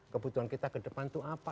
kebutuhan kita ke depan itu apa